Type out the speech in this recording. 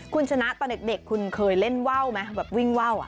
คุณชนะตอนเด็กคุณเคยเล่นว่าวไหมแบบวิ่งว่าว